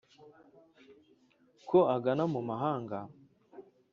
Ko agana mu mahanga